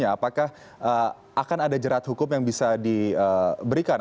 apakah akan ada jerat hukum yang bisa diberikan